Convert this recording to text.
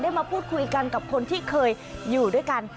มาพูดคุยกันกับคนที่เคยอยู่ด้วยกัน